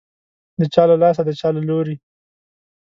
د چا له لاسه، د چا له لوري